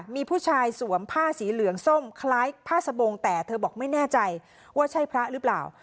มีผู้ชายสวมผ้าสีเหลืองส้มคล้ายผ้าสบงแต่เธอบอกไม่แน่ใจว่าใช่พระหรือเปล่า